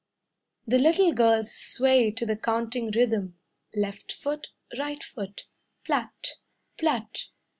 The little girls sway to the counting rhythm; Left foot, Right foot. Plat! Plat!